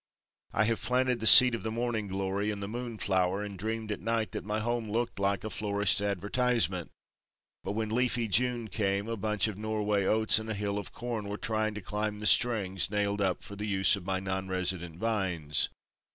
I have planted the seed of the morning glory and the moon flower and dreamed at night that my home looked like a florist's advertisement, but when leafy June came a bunch of Norway oats and a hill of corn were trying to climb the strings nailed up for the use of my non resident vines.